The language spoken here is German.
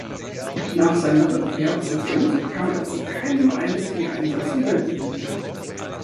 Nach seiner Rückkehr zu Gent kam er zu keinem einzigen Einsatz in Belgien mehr.